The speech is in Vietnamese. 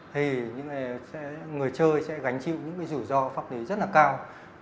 thì người chơi sẽ gánh chịu những rủi ro pháp lý rất là cao